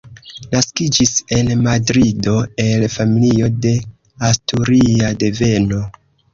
Naskiĝis en Madrido, el familio de asturia deveno.